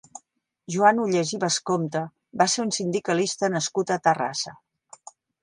Joan Ullés i Bascompte va ser un sindicalista nascut a Terrassa.